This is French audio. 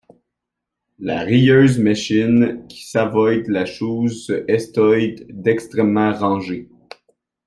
La rieuse meschine, qui sçavoyt la chouse, se estoyt dextrement rengée.